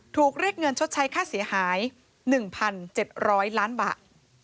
เรียกเงินชดใช้ค่าเสียหาย๑๗๐๐ล้านบาท